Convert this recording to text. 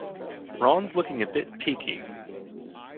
Ron's looking a bit peaky.